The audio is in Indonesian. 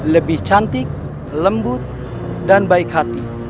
lebih cantik lembut dan baik hati